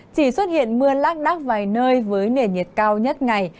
chỉ xuất hiện mưa lắc đắc vài nơi với nền nhiệt cao nhất ngày